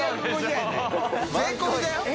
税込みだよ？